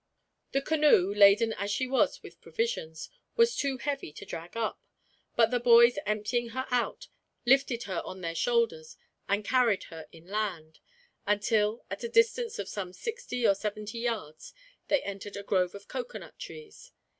The canoe, laden as she still was with provisions, was too heavy to drag up; but the boys, emptying her out, lifted her on their shoulders and carried her inland; until, at a distance of some sixty or seventy yards, they entered a grove of coconut trees.